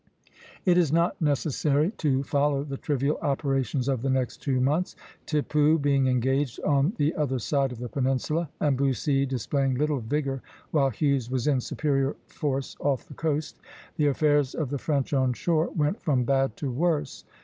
It is not necessary to follow the trivial operations of the next two months. Tippoo being engaged on the other side of the peninsula and Bussy displaying little vigor, while Hughes was in superior force off the coast, the affairs of the French on shore went from bad to worse.